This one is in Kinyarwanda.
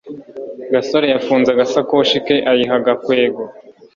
gasore yafunze agasakoshi ke ayiha gakwego